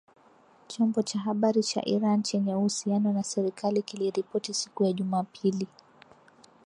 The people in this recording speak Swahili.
Chombo cha habari cha Iran chenye uhusiano na serikali kiliripoti siku ya Jumapili,